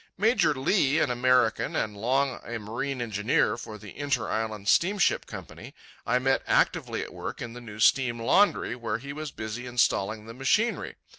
Major Lee, an American and long a marine engineer for the Inter Island Steamship Company, I met actively at work in the new steam laundry, where he was busy installing the machinery.